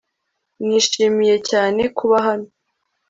Nishimiye cyane kuba hano